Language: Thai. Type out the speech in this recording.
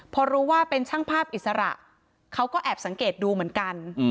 พอรู้ว่าเป็นช่างภาพอิสระเขาก็แอบสังเกตดูเหมือนกัน